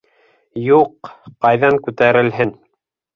— Юҡ, ҡайҙан күтәрелһен.